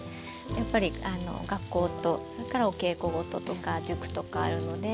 やっぱり学校とそれからお稽古事とか塾とかあるので。